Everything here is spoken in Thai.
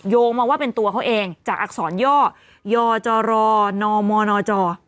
โยงมาว่าเป็นตัวเขาเองจากอักษรย่อย่อจอรอนอมอนอจอ